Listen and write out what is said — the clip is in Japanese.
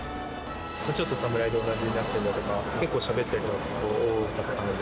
ちょっと侍で同じになったりとか、結構しゃべったりとか多かったので。